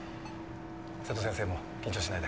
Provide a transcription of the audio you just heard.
瀬戸先生も緊張しないで。